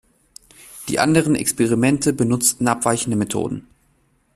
Die anderen Experimente benutzten abweichende Methoden.